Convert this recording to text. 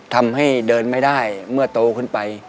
ทำให้เดินไม่ได้เมื่อโตขึ้นไป